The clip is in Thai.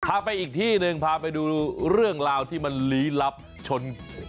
พาไปอีกที่หนึ่งพาไปดูเรื่องราวที่มันลี้ลับชน